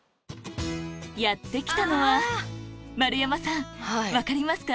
やって来たのは丸山さん分かりますか？